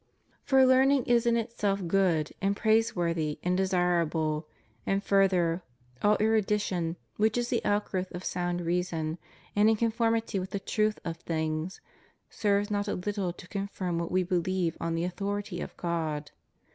For learning is in itself good, and praise worthy, and desirable; and further, all erudition which is the outgrowth of sound reason, and in conformity with the truth of things, serves not a Httle to confirm what we believe on the authority of God.